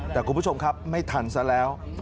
แต่คุณผู้ชมครับไม่ทันซะแล้ว